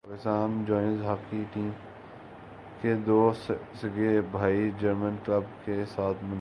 Pakistan junior hockey team کے دو سگے بھائی جرمن کلب کے ساتھ منسلک